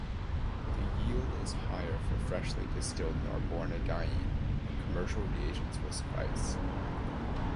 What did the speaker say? The yield is higher for freshly distilled norbornadiene, but commercial reagents will suffice.